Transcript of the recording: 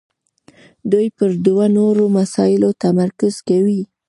دوی پر دوو نورو مسایلو تمرکز کوي.